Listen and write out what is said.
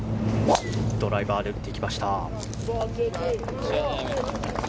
ドライバーで打っていきました。